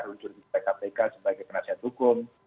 menuju di pkpk sebagai penasihat hukum